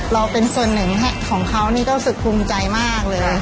เราเป็นส่วนหนึ่งแห่งของเขานี่ก็สุดภูมิใจมากเลยค่ะ